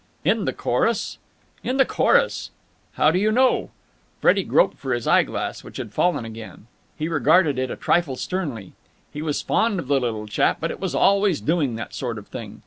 "In the chorus?" "In the chorus!" "How do you know?" Freddie groped for his eyeglass, which had fallen again. He regarded it a trifle sternly. He was fond of the little chap, but it was always doing that sort of thing.